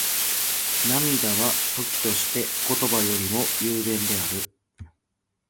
涙は、時として言葉よりも雄弁である。